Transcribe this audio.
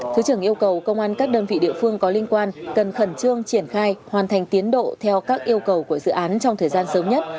thứ trưởng yêu cầu công an các đơn vị địa phương có liên quan cần khẩn trương triển khai hoàn thành tiến độ theo các yêu cầu của dự án trong thời gian sớm nhất